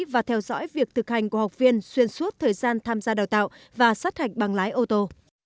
và theo dõi việc thực hành của học viên xuyên suốt thời gian tham gia đào tạo và sát hạch bằng lái ô tô